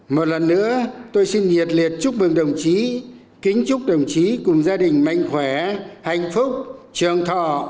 một lần nữa tôi xin nhiệt liệt chúc mừng đồng chí kính chúc đồng chí cùng gia đình mạnh khỏe hạnh phúc trường thọ